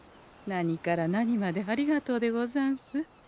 何から何までありがとうでござんす。